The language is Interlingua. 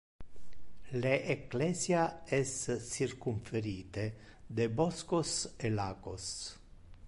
Le ecclesia es circumferite de boscos e lacos.